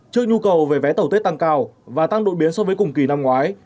trước nhu cầu về vé tẩu tết tăng cao và tăng đội biến so với cùng kỳ năm ngoái